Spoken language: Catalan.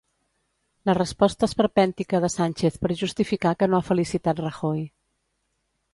La resposta esperpèntica de Sánchez per justificar que no ha felicitat Rajoy.